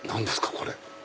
これ。